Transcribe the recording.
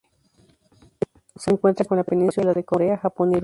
Se encuentra en la Península de Corea, Japón y Rusia.